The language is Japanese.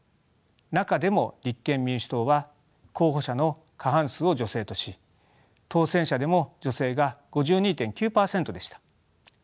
中でも立憲民主党は候補者の過半数を女性とし当選者でも女性が５２．９％でした。